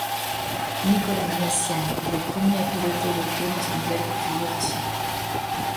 Nicolas Minassian est le premier a piloter l'auto dans sa nouvelle configuration.